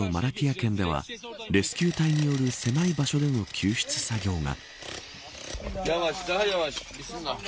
県ではレスキュー隊による狭い場所での救出作業が。